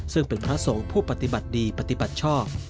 ซึ่งเป็นพระสงฆ์ผู้ปฏิบัติดีปฏิบัติชอบ